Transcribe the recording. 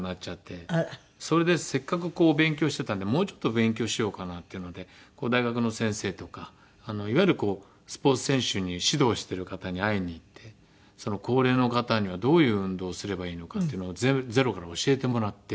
それでせっかく勉強してたんでもうちょっと勉強しようかなっていうので大学の先生とかいわゆるスポーツ選手に指導してる方に会いに行って高齢の方にはどういう運動をすればいいのかっていうのをゼロから教えてもらって。